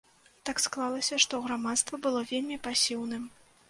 Так склалася, што грамадства было вельмі пасіўным.